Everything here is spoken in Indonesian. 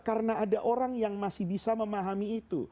karena ada orang yang masih bisa memahami itu